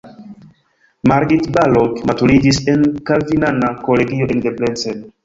Margit Balog maturiĝis en kalvinana kolegio en Debrecen.